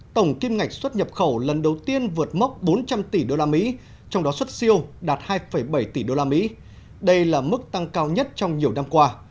tổng kim ngạch xuất nhập khẩu lần đầu tiên vượt mốc bốn trăm linh tỷ usd trong đó xuất siêu đạt hai bảy tỷ usd đây là mức tăng cao nhất trong nhiều năm qua